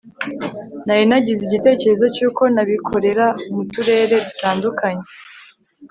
nari nagize igitekerezo cy'uko nabikorera mu turere dutandukanye